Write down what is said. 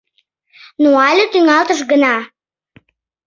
— Но але тӱҥалтыш гына.